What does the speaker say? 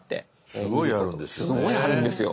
すごいあるんですよね。